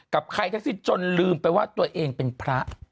กับใครที่จนลืมไปว่าตัวเองเป็นพระ